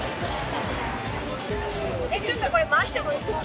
ちょっとこれ回してもいいですか？